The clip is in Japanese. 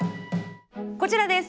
こちらです！